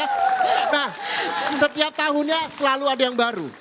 nah setiap tahunnya selalu ada yang baru